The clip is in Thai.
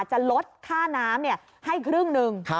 จะลดค่าน้ำให้ครึ่งหนึ่ง